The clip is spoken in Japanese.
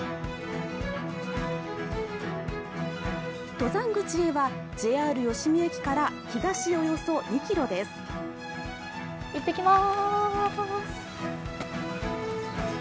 登山口へはＪＲ吉見駅から東へおよそ２ｋｍですいってきます！